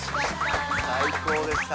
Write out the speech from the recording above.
最高でした